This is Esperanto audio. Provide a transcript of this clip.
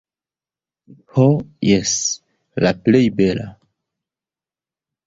Ho jes, la plej bela.